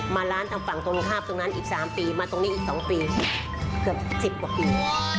มาร้านทางฝั่งตรงข้ามตรงนั้นอีก๓ปีมาตรงนี้อีก๒ปีเกือบ๑๐กว่าปี